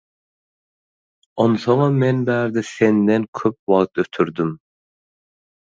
Onsoňam men bärde senden köp wagt ötürdüm.